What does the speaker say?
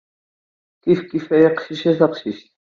Kifkif ay aqcic a taqcict.